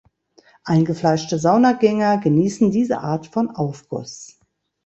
Eingefleischte Saunagänger genießen diese Art von Aufguss.